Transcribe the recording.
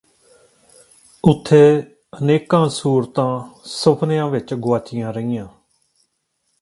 ਉਥੇ ਅਨੇਕਾਂ ਸੂਰਤਾਂ ਸੁਫ਼ਨਿਆਂ ਵਿਚ ਗੁਆਚੀਆਂ ਰਹੀਆਂ